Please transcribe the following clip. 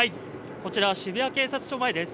こちら渋谷警察署前です。